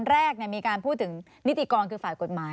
เพราะว่าตอนแรกมีการพูดถึงนิติกรคือฝ่ายกฎหมาย